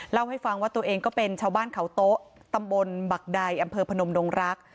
เล่าให้ฟังว่าตัวเองก็เป็นชาวบ้านเขาโต๊ะตำบลบักใดอำเภอพนมดงรัก